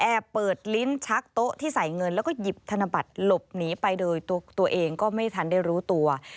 เปิดลิ้นชักโต๊ะที่ใส่เงินแล้วก็หยิบธนบัตรหลบหนีไปโดยตัวเองก็ไม่ทันได้รู้ตัว